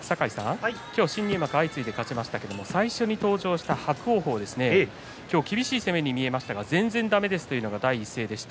今日、新入幕が相次いで勝ちましたが、最初に登場した伯桜鵬も今日を厳しい攻めに出ましたが全然だめですというのが第一声でした。